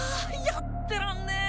やってらんねえ！